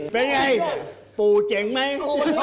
เป็นไงปู่เจ๋งไหม